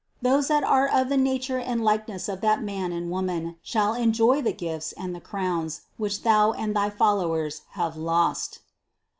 Those that are of the nature and likeness of that Man and Woman, shall enjoy the gifts and the crowns, which thou and thy followers have lost."